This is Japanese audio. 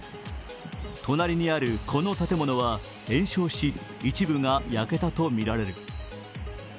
隣にあるこの建物は延焼し、一部が焼けたとみられる。